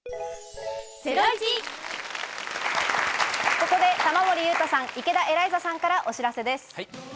ここで玉森裕太さん、池田エライザさんからお知らせです。